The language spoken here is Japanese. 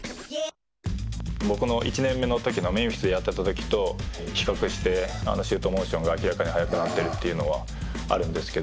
僕の１年目の時のメンフィスでやってた時と比較してシュートモーションが明らかに速くなっているっていうのはあるんですけど。